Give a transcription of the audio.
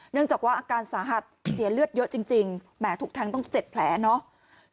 เนื่องจากว่าอาการสาหัสเสียเลือดเยอะจริงแหมถูกแทงต้อง๗แผลเนาะ